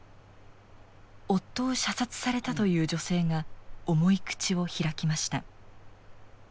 夫を射殺されたという女性が重い口を開きました。